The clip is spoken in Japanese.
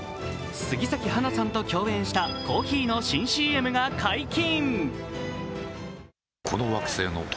杉咲花さんと共演したコーヒーの新ＣＭが解禁。